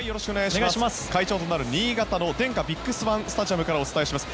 会場となる新潟のデンカビッグスワンスタジアムからお伝えします。